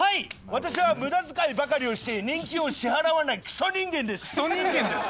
私は無駄遣いばかりをして年金を支払わないクソ人間です「クソ人間です」？